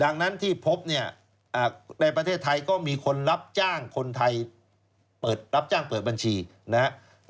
ดังนั้นที่พบเนี่ยในประเทศไทยก็มีคนรับจ้างคนไทยเปิดรับจ้างเปิดบัญชีนะครับ